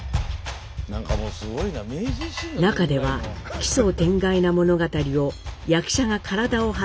中では奇想天外な物語を役者が体を張って表現。